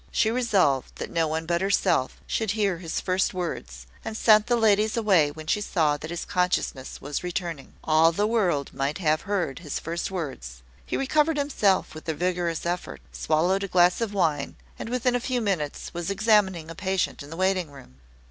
She resolved that no one but herself should hear his first words, and sent the ladies away when she saw that his consciousness was returning. All the world might have heard his first words. He recovered himself with a vigorous effort, swallowed a glass of wine, and within a few minutes was examining a patient in the waiting room.